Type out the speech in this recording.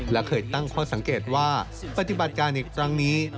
และเคยตั้งข้อสังเกตว่าปฏิบัติการในครั้งนี้